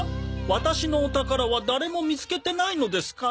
ワタシのお宝は誰も見つけてないのですかね？